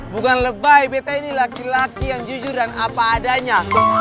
bukan lebay bete ini laki laki yang jujur dan apa adanya